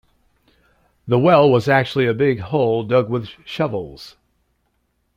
The well was actually a big hole dug with shovels.